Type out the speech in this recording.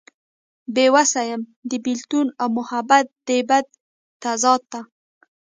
بې وس يم د بيلتون او محبت دې بد تضاد ته